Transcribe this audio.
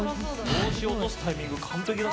帽子落とすタイミングも完璧。